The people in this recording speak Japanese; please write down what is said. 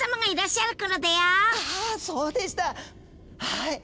はい！